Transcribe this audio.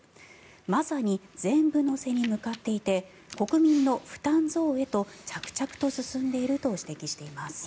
まさに全部乗せに向かっていて国民の負担増へと着々と進んでいると指摘しています。